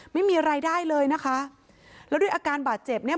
ไม่มีรายได้เลยนะคะแล้วด้วยอาการบาดเจ็บเนี่ย